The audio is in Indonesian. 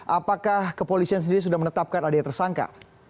apakah kepolisian sendiri sudah menetapkan adanya tersangka